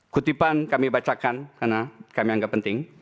kutipan kami bacakan karena kami anggap penting